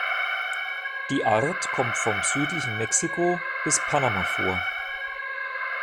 Die Art kommt vom südlichen Mexiko bis Panama vor.